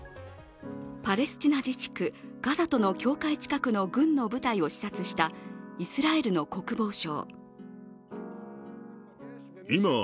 パレスチナ自治区ガザとの境界近くの軍の部隊を視察したイスラエルの国防相。